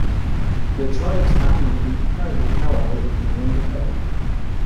The tribe's annual intertribal powwow is no longer held.